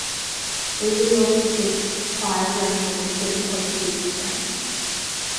Bridges also speaks five languages including Portuguese and Spanish.